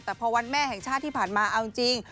แต่พอวันแม่แห่งชาติที่ผ่านมาเอาจริง